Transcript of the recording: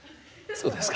そうですか。